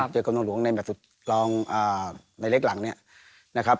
เจอกลมทางหลวงในแบบสุดลองในเล็กหลังนี้นะครับ